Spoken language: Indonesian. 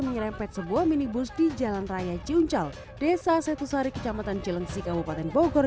menyerempet sebuah minibus di jalan raya cioncal desa setusari kecamatan cilengsi kabupaten bogor